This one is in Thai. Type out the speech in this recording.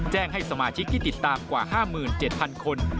ให้สมาชิกที่ติดตามกว่า๕๗๐๐คน